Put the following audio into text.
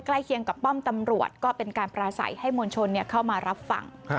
เคียงกับป้อมตำรวจก็เป็นการปราศัยให้มวลชนเข้ามารับฟัง